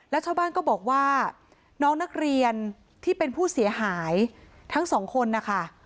แล้วชาวบ้านก็บอกว่าน้องนักเรียนที่เป็นผู้เสียหายทั้งสองคนนะคะ